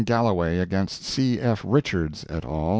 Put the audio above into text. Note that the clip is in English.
Galloway against C. F. Richards et al.